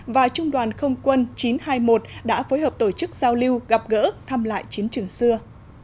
và trung đoàn không quân chín trăm hai mươi một đã phối hợp tổ chức giao lưu gặp gỡ thăm lại chiến trường xưa